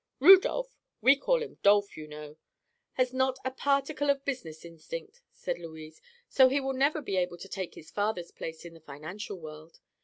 "Rudolph—we call him 'Dolph,' you know—has not a particle of business instinct," said Louise, "so he will never be able to take his father's place in the financial world.